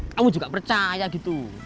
kamu juga percaya gitu